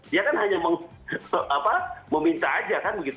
dia kan hanya meminta aja kan begitu